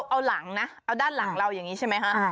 เอาหลังนะเอาด้านหลังเราอย่างนี้ใช่ไหมฮะ